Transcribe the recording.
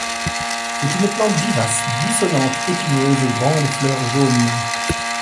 C'est une plante vivace buissonnante épineuse aux grandes fleurs jaunes.